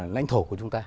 lãnh thổ của chúng ta